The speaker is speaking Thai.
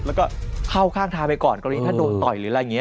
มันก็เข้าข้างทางไปก่อนกรณีถ้าโดนต่อยหรืออะไรอย่างนี้